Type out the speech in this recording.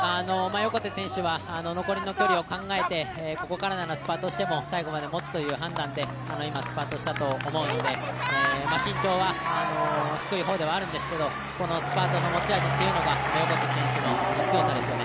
横手選手は残りの距離を考えて、ここからならスパートしても最後までもつという判断でスパートしたと思うので身長は低い方ではあると思いますが、スパートの持ち味が横手選手の強さですよね。